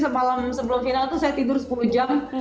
kemarin sepuluh jam jadi sebelum final itu saya tidur sepuluh jam